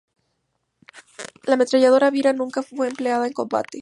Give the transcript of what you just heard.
La ametralladora Bira nunca fue empleada en combate.